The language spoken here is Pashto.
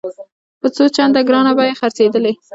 په څو چنده ګرانه بیه خرڅېدلې.